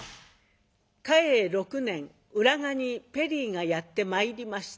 嘉永６年浦賀にペリーがやって参りました